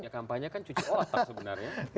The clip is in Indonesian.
ya kampanye kan cuci otak sebenarnya